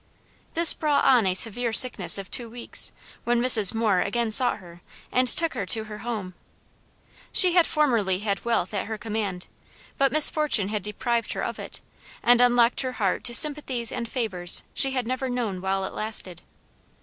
This brought on a severe sickness of two weeks, when Mrs. Moore again sought her, and took her to her home. She had formerly had wealth at her command, but misfortune had deprived her of it, and unlocked her heart to sympathies and favors she had never known while it lasted.